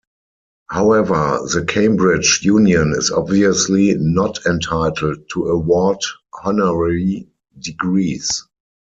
However, the Cambridge Union is obviously not entitled to award honorary degrees.